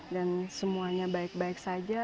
semuanya baik baik saja